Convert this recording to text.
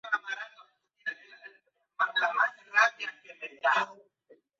Su trama mezcla enredo amoroso con circunstancias históricas.